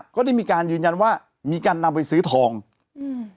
ก็ได้มีการยืนยันว่ามีการนำไปซื้อทองอืม